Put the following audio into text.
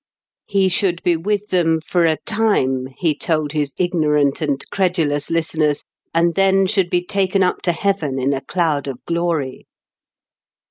He should be with them for a time, he told his ignorant and credulous listeners, and then should be taken up to heaven in a cloud of glory.